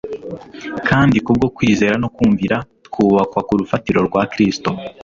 Kandi kubwo kwizera no kumvira twubakwa ku rufatiro rwa Kristo.